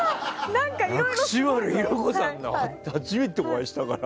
薬師丸ひろ子さんに初めてお会いしたから。